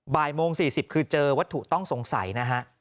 บ่ายโมง๔๐คือเจอวัตถุต้องสงสัยนะฮะ